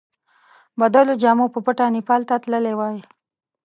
بدلو جامو په پټه نیپال ته تللی وای.